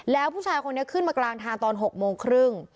แล้วผู้ชายคนนี้ขึ้นมากลางทางตอน๖โมงครึ่ง